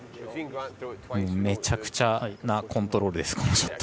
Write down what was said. めちゃくちゃなコントロールです。